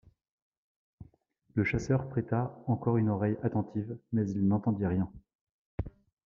Le chasseur prêta encore une oreille attentive, mais il n’entendit rien.